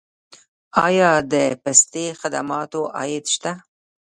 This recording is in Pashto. آیا د پستي خدماتو عاید شته؟